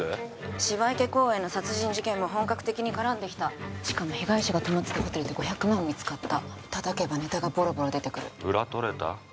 芝池公園の殺人事件も本格的に絡んできたしかも被害者が泊まってたホテルで５００万円見つかった叩けばネタがボロボロ出てくる裏とれた？